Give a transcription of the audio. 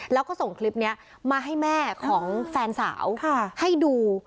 แล้วก็ส่งคลิปนี้มาให้แม่ของแฟนสาวให้ดู